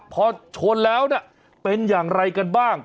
พอชนแล้วเป็นอย่างไรกันบ้าง